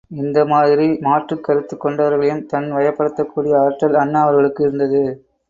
இந்த மாதிரி, மாற்றுக் கருத்துக் கொண்டவர்களையும் தன் வயப்படுத்தக் கூடிய ஆற்றல் அண்ணா அவர்களுக்கு இருந்தது.